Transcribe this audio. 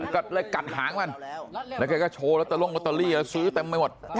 ก็เลยกัดหางมันแล้วแกก็โชว์แล้วตั้งแต่ล่องมอเตอรี่แล้วซื้อเต็มไปหมด